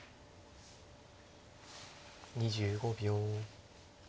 ２５秒。